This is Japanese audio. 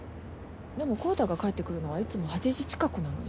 でも昂太が帰ってくるのはいつも８時近くなのに。